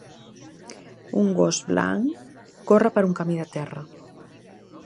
Un gos blanc corre per un camí de terra.